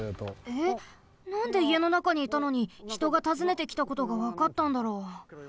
えっなんでいえのなかにいたのにひとがたずねてきたことがわかったんだろう？